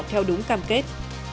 theo đúng cam kết